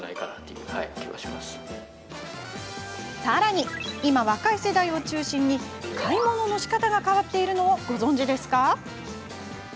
さらに今、若い世代を中心に買い物のしかたが変わっているのをご存じですか？